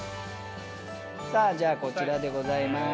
さぁじゃあこちらでございます。